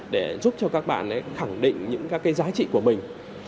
để giúp cho các bạn ấy khẳng định những các cái giá trị của mình